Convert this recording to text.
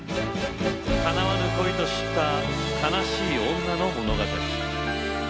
かなわぬ恋と知った悲しい女の物語。